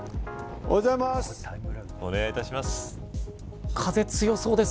おはようございます。